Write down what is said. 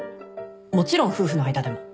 もちろん夫婦の間でも。